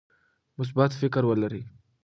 مثبت فکر ولرئ.